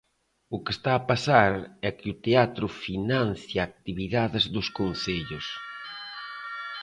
O que está a pasar é que o teatro financia actividades dos concellos.